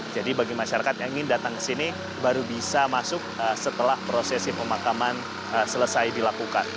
jadi bagi masyarakat yang ingin datang ke sini baru bisa masuk setelah prosesi pemakaman selesai dilakukan